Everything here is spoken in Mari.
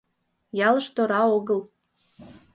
Ялыш тора огыл.